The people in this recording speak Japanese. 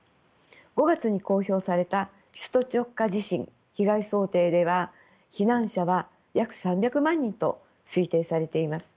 ５月に公表された首都直下地震被害想定では避難者は約３００万人と推定されています。